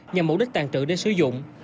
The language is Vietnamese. nhằm mục đích tàn trữ để sử dụng